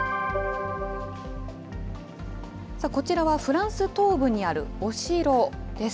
こちらはフランス東部にあるお城です。